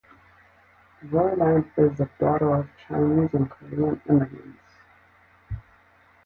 Rowland is the daughter of Chinese and Korean immigrants.